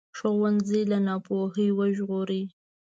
ښوونځی له ناپوهۍ وژغوري